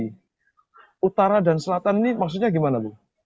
untuk utara dan selatan maksudnya bagaimana